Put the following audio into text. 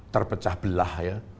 terpecah belah ya